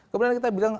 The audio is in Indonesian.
kemudian kita bilang